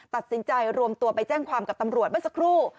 ตัดสินใจรวมตัวไปแจ้งความกับตำรวจเมื่อสักครู่